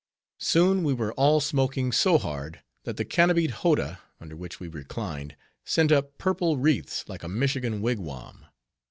Soon we were all smoking so hard, that the canopied howdah, under which we reclined, sent up purple wreaths like a Michigan wigwam.